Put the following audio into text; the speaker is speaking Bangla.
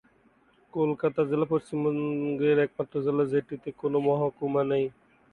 কলকাতা জেলা পশ্চিমবঙ্গের একমাত্র জেলা যেটির কোনো মহকুমা নেই।